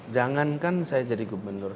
jangankan saya jadi gubernur